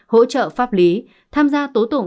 hỗ trợ pháp lý tham gia tố tụng